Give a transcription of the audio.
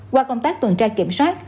qua công tác tuần tra kiểm soát